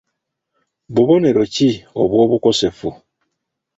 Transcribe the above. Bubonero ki obw'obukosefu?